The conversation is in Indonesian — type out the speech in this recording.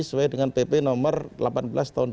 sesuai dengan pp nomor delapan belas tahun dua ribu